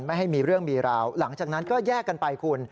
ไม่ให้มีเรื่องมีราวหลังจากนั้นก็แยกกันไปคุณ